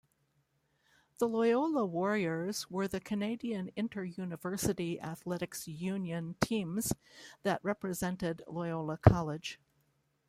The Loyola Warriors were the Canadian Interuniversity Athletics Union teams that represented Loyola College.